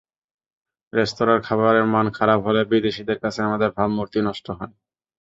রেস্তোরাঁর খাবারের মান খারাপ হলে বিদেশিদের কাছে আমাদের ভাবমূর্তি নষ্ট হয়।